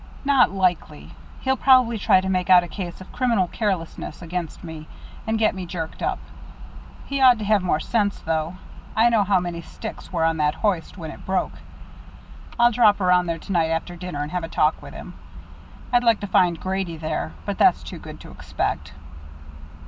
"Not likely. He'll probably try to make out a case of criminal carelessness against me, and get me jerked up. He ought to have more sense, though. I know how many sticks were on that hoist when it broke. I'll drop around there to night after dinner and have a talk with him. I'd like to find Grady there but that's too good to expect."